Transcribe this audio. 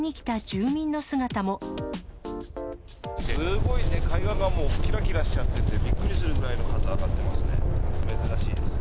すごいね、海岸がもうきらきらしちゃって、びっくりするぐらいの数上がってますね。